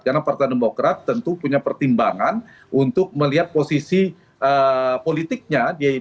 karena partai demokrat tentu punya pertimbangan untuk melihat posisi politiknya